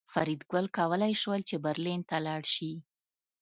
فریدګل کولی شول چې برلین ته لاړ شي